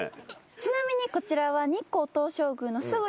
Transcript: ちなみにこちらは。